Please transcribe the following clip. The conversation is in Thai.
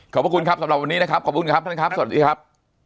ขอบคุณครับสำหรับวันนี้นะครับขอบคุณครับท่านครับสวัสดีครับ